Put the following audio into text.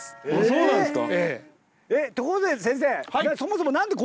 そうなんですか。